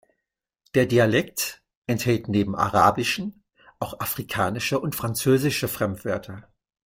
Der Dialekt enthält neben arabischen auch afrikanische und französische Fremdwörter.